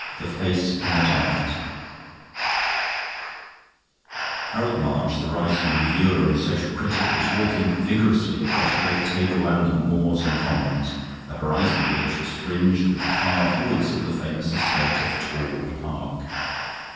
THE FACE IN THE TARGET Harold March, the rising reviewer and social critic, was walking vigorously across a great tableland of moors and commons, the horizon of which was fringed with the far off woods of the famous estate of Torwood Park.